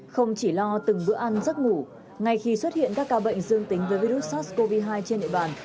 không chỉ lo từng bữa ăn giấc ngủ ngay khi xuất hiện các ca bệnh dương tính với virus sars cov hai trên địa bàn